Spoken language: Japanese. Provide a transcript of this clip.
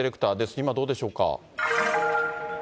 今、どうでしょうか。